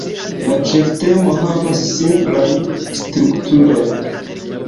La ĉeftemo havas simplaj strukturon.